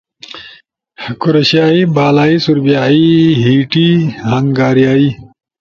کرشیائی، بالائی سوربیائی، ہیٹی، ہنگاریائی